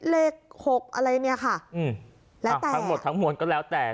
หกอะไรเนี่ยค่ะอืมแล้วแต่ทั้งหมดทั้งมวลก็แล้วแต่